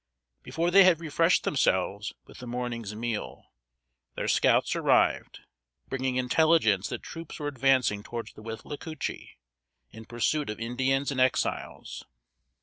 Before they had refreshed themselves with the morning's meal, their scouts arrived, bringing intelligence that troops were advancing towards the Withlacoochee, in pursuit of Indians and Exiles.